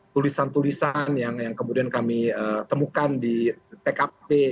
tulisan tulisan yang kemudian kami temukan di tkp